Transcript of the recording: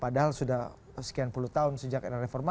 padahal sudah sekian puluh tahun sejak era reformasi